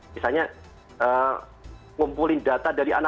misalnya ngumpulin data dari anak anak